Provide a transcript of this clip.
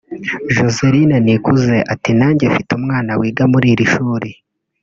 Joseline Nikuze ati” Nanjye mfite umwana wiga muri iri shuri